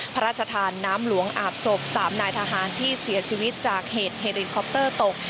พระราชทานน้ำหลวงอาบศพ๓นายทหารที่เสียชีวิตจากเหตุเฮรินคอปเตอร์ตก